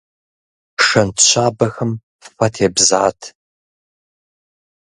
Шэнт щабэхэм фэ тебзат.